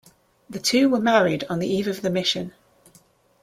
The two were married on the eve of the mission.